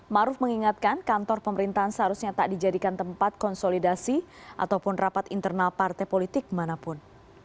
maruf mengingatkan kantor pemerintahan seharusnya tak dijadikan tempat konsolidasi ataupun rapat internal partai politik manapun